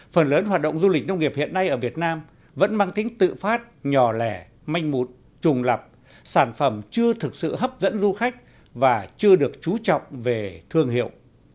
phần lớn hoạt động du lịch nông nghiệp hiện nay ở việt nam vẫn mang tính tự phát nhỏ lẻ manh mút trùng lập sản phẩm chưa thực sự hấp dẫn du khách và chưa được trú trọng về thương hiệu